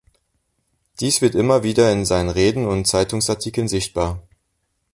Dies wird immer wieder in seinen Reden und Zeitungsartikeln sichtbar.